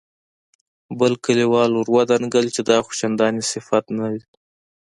بل کليوال ور ودانګل چې دا خو چندان صفت نه دی.